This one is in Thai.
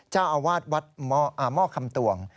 เจ้าอาวาสวัดหม้อคำตวง